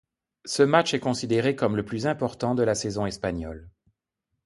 Ce match est considéré comme le plus important de la saison espagnole.